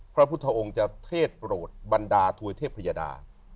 พระพุทธองค์จะเทศโปรดบรรดาถวยเทพยดา